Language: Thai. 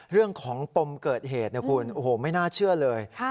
เรื่องของปมเกิดเหตุนะคุณโอ้โหไม่น่าเชื่อเลย